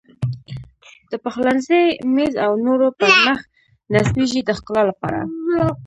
د پخلنځي میز او نورو پر مخ نصبېږي د ښکلا لپاره.